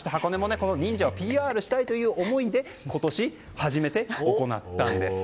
忍者をアピールしたいという思いで今年、初めて行ったんです。